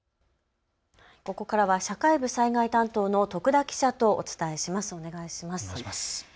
ここからは社会部、災害担当の徳田記者とお伝えします。